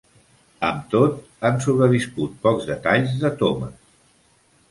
Amb tot, han sobreviscut pocs detalls de Thomas.